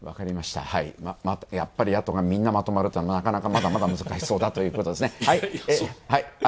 やっぱり野党がまとまるということは、なかなか、まだまだ難しそうだということですね。